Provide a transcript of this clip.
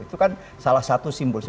itu kan salah satu simbol